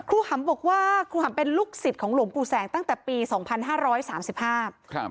หำบอกว่าครูหำเป็นลูกศิษย์ของหลวงปู่แสงตั้งแต่ปีสองพันห้าร้อยสามสิบห้าครับ